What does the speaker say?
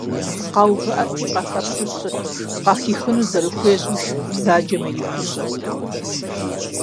Къэувырти, къахэплъэу щытт, къахыхьэну зэрыхуежьэу и шыпхъу бзаджэм ирихужьэрт.